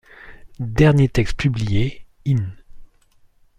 Dernier texte publié, in.